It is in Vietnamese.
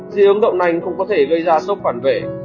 dị ứng đậu nành cũng có thể gây ra sốc phản vệ